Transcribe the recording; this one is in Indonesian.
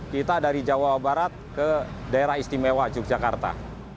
kita dari jawa barat ke daerah istimewa yogyakarta